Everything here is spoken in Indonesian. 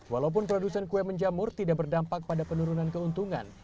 walaupun produsen kue menjamur tidak berdampak pada penurunan keuntungan